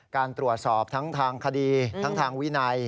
การตรวจสอบทั้งทางคดีทั้งทางวินัย